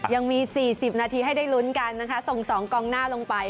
ยังมี๔๐นาทีให้ได้ลุ้นกันนะคะส่ง๒กองหน้าลงไป